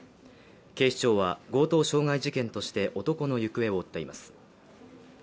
警視庁は強盗傷害事件として男の行方を追っています。